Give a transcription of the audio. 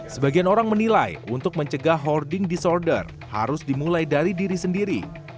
sebagian orang menilai untuk mencegah hoarding disorder harus dimulai dari diri sendiri